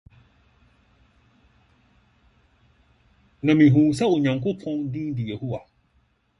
na mihuu sɛ Onyankopɔn din de Yehowa.